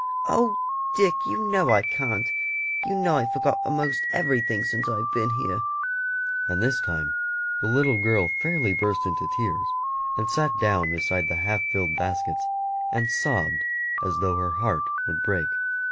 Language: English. "Oh, Dick, you know I can't; you know I've forgot a'most everything since I've been here;" and this time the little girl fairly burst into tears, and sat down beside the half filled baskets, and sobbed as though her heart would break.